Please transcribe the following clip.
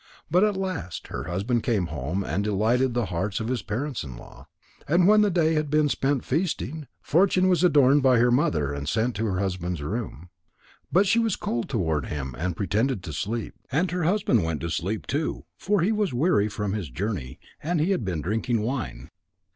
But at last her husband came home and delighted the hearts of his parents in law. And when the day had been spent in feasting, Fortune was adorned by her mother, and sent to her husband's room. But she was cold toward him and pretended to sleep. And her husband went to sleep, too, for he was weary with his journey, and had been drinking wine.